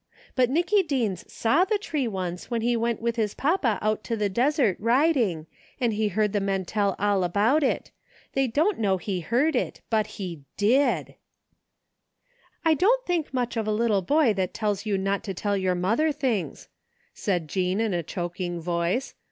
But Nicky Deens saw the tree once when he went with his papa out to the desert riding, and he heard the men tell all about it. They didn't know he heard it, but he did," " I don't think much of a little boy that tells you not to tell your mother things,^' said Jean in a choking voice.